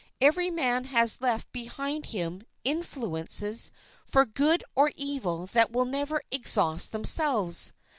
Every man has left behind him influences for good or evil that will never exhaust themselves.